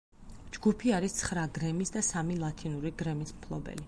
ჯგუფი არის ცხრა გრემის და სამი ლათინური გრემის მფლობელი.